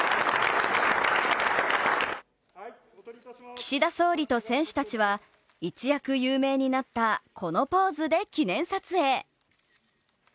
岸田総理と選手たちは一躍有名になったこのポーズで記念撮影。